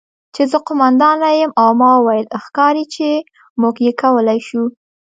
چې زه قوماندانه یم او ما وویل: 'ښکاري چې موږ یې کولی شو'.